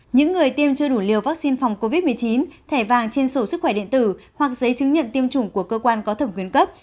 những người tiêm chưa đủ liều vaccine phòng covid một mươi chín thẻ vàng trên sổ sức khỏe điện tử hoặc giấy chứng nhận tiêm chủng của cơ quan có thẩm quyền cấp